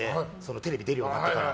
テレビ出るようになってから。